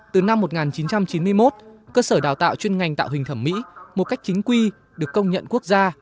từ năm một nghìn chín trăm chín mươi một cơ sở đào tạo chuyên ngành tạo hình thẩm mỹ một cách chính quy được công nhận quốc gia